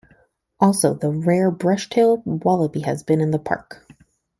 Also the rare brush-tail wallaby has been in the park.